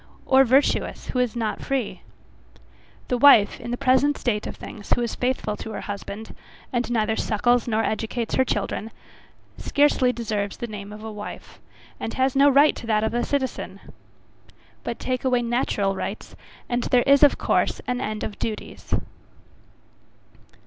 or, virtuous, who is not free? The wife, in the present state of things, who is faithful to her husband, and neither suckles nor educates her children, scarcely deserves the name of a wife, and has no right to that of a citizen. But take away natural rights, and there is of course an end of duties.